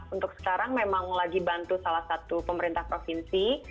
untuk sekarang memang lagi bantu salah satu pemerintah provinsi